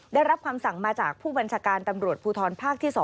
ได้รับคำสั่งมาจากผู้บัญชาการตำรวจภูทรภาคที่๒